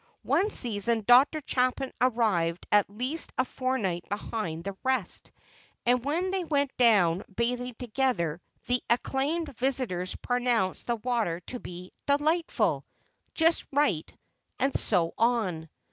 One season Dr. Chapin arrived at least a fortnight behind the rest; and, when they went down bathing together, the acclimated visitors pronounced the water to be "delightful," "just right," and so on.